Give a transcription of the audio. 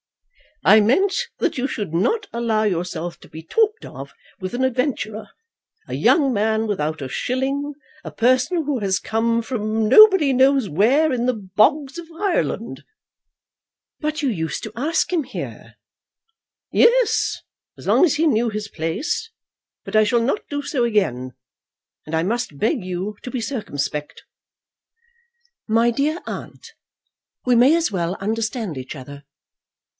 "I meant that you should not allow yourself to be talked of with an adventurer, a young man without a shilling, a person who has come from nobody knows where in the bogs of Ireland." "But you used to ask him here." "Yes, as long as he knew his place. But I shall not do so again. And I must beg you to be circumspect." "My dear aunt, we may as well understand each other.